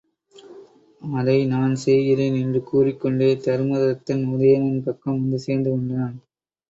அதை நான் செய்கிறேன் என்று கூறிக்கொண்டே தருமதத்தன், உதயணன் பக்கம் வந்து சேர்ந்து கொண்டான்.